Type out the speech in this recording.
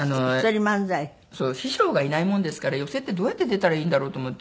師匠がいないものですから寄席ってどうやって出たらいいんだろうと思って。